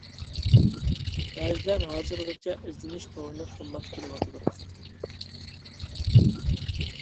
بەزىلەر ھازىرغىچە ئىزدىنىش تورىنى قوللاپ كېلىۋاتىدۇ.